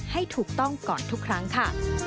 ให้ถูกต้องก่อนทุกครั้งค่ะ